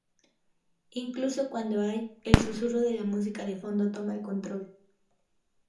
Incluso cuándo hay, el susurro de la música de fondo toma el control".